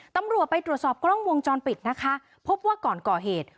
ตำรวจไปตรวจสอบกล้องวงจรปิดนะคะพบว่าก่อนก่อเหตุ